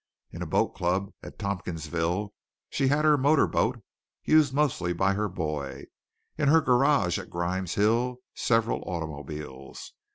In a boat club at Tompkinsville she had her motor boat, used mostly by her boy; in her garage at Grimes Hill, several automobiles.